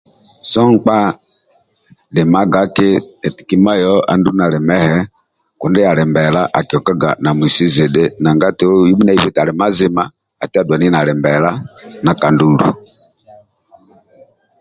So nkpa dimagaki eti kima yoho andulu ndia ali mehe kundi ali mbela akiokaga namuisi zidhi nanga yabhi na ibi eti ali mazima ati adulani nali mbela ndia kandulu